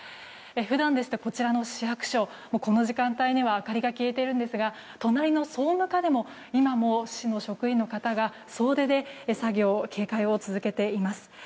普段ですと、こちらの市役所この時間帯には明かりが消えているんですが隣の総務課でも今も市の職員の方が総出で作業を警戒を続けています。